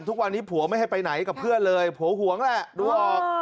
ทุกวันนี้ผัวไม่ให้ไปไหนกับเพื่อนเลยผัวหวงแหละดูออก